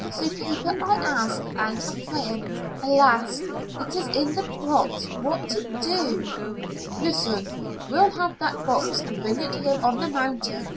So, paper I ask, and of crayon Alas! It is in the box! What to do?" "Listen. We'll have that box, and bring it here on the mountain.